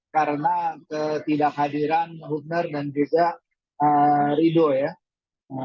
karena ketidakhadiran hoekner dan rizal ridho ya